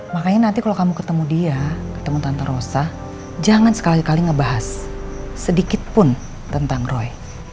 makanya nanti kalau kamu ketemu dia ketemu tante rosa jangan sekali kali ngebahas sedikit pun tentang roy